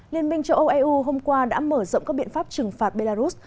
liên minh châu âu eu hôm qua đã mở rộng các biện pháp trừng phạt belarus